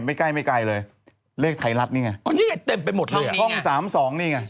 ใกล้ไม่ไกลเลยเลขไทยรัฐนี่ไงอ๋อนี่ไงเต็มไปหมดเลยอ่ะห้องสามสองนี่ไง